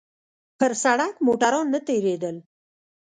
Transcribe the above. پر سړک موټران نه تېرېدل.